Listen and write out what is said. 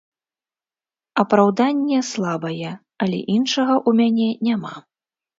Апраўданне слабае, але іншага ў мяне няма.